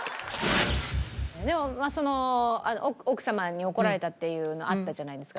でも奥様に怒られたっていうのあったじゃないですか。